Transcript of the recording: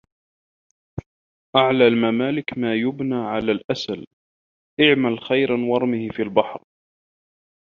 أعلى الممالك ما يبنى على الأسل اعمل خيراً وارمه البحر